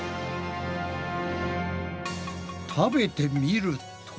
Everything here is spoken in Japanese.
食べてみると。